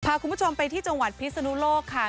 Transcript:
พาคุณผู้ชมไปที่จังหวัดพิศนุโลกค่ะ